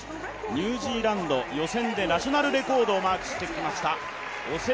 ニュージーランド予選でナショナルレコードをマークしてきました